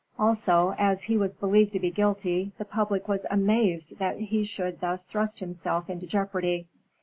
Also, as he was believed to be guilty, the public was amazed that he should thus thrust himself into jeopardy.